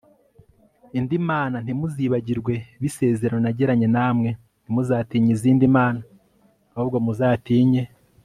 izindi mana Ntimuzibagirwe b isezerano nagiranye namwe ntimuzatinye izindi mana Ahubwo muzatinye